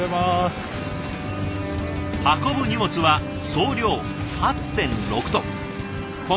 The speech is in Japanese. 運ぶ荷物は総量８．６トン。